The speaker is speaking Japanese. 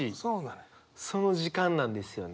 その時間なんですよね。